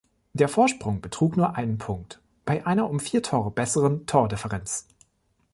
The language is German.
Der Vorsprung betrug nur einen Punkt bei einer um vier Tore besseren Tordifferenz.